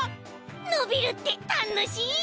のびるってたのしい！